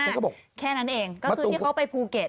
ฉันก็บอกแค่นั้นเองก็คือที่เขาไปภูเก็ต